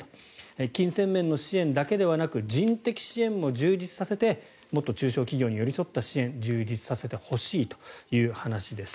金銭面の支援だけでなく人的支援も充実させてもっと中小企業に寄り添った支援を充実させてほしいという話です。